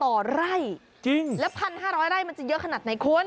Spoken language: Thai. ต่อไร่จริงแล้ว๑๕๐๐ไร่มันจะเยอะขนาดไหนคุณ